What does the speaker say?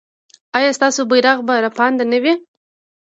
ایا ستاسو بیرغ به رپانده نه وي؟